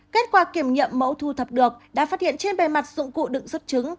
kết quả kiểm nghiệm mẫu thu thập được đã phát hiện trên bề mặt dụng cụ đựng xuất trứng